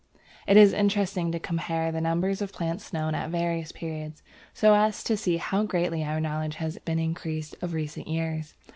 It is interesting to compare the numbers of plants known at various periods, so as to see how greatly our knowledge has been increased of recent years.